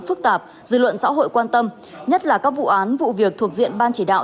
phức tạp dư luận xã hội quan tâm nhất là các vụ án vụ việc thuộc diện ban chỉ đạo